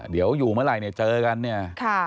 เดี๋ยวอยู่เมื่อไหร่เนี่ยเจอกันเนี่ย